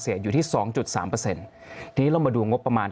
สิ่งที่ประชาชนอยากจะฟัง